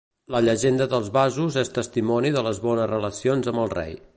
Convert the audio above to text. La llegenda dels vasos és testimoni de les bones relacions amb el rei.